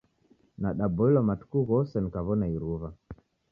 Nadaboilwa matuku ghose nikaw'ona iruw'a.